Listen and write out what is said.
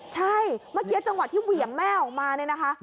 ใช่เมื่อกี้จังหวะที่เหวี่ยงแม่ออกมาเนี่ยนะคะ